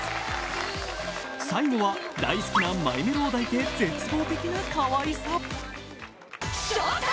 最後は大好きなマイメロを抱いて絶望的なかわいさ。